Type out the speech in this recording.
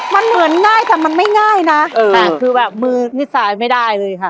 มันเหมือนง่ายแต่มันไม่ง่ายนะคือแบบมือนี่สายไม่ได้เลยค่ะ